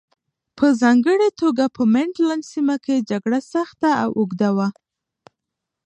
په ځانګړې توګه په مینډلنډ سیمه کې جګړه سخته او اوږده وه.